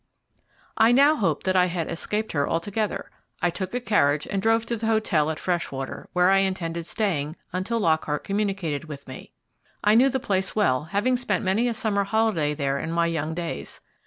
I now hoped that I had escaped her altogether. I took a carriage and drove to the hotel at Freshwater, where I intended staying until Lockhart communicated with me. I knew the place well, having spent many a summer holiday there in my young days.